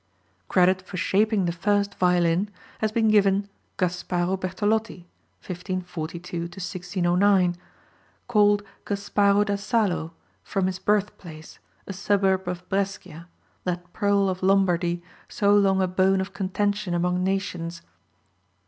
Credit for shaping the first violin has been given Gasparo Bertolotti (1542 1609), called Gasparo da Salo, from his birthplace, a suburb of Brescia, that pearl of Lombardy so long a bone of contention among nations.